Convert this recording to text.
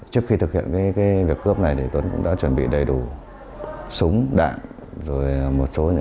trước khi thực hiện việc cướp này tuấn cũng đã chuẩn bị đầy đủ súng đạn